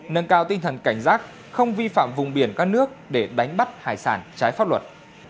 nâng cao tinh thần cảnh giác không vi phạm vùng biển các nước để đánh bắt hải sản trái pháp luật